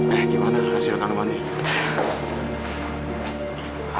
eh gimana hasilkan umatnya